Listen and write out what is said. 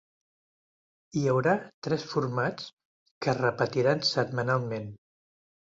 Hi haurà tres formats que es repetiran setmanalment.